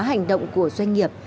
hành động của doanh nghiệp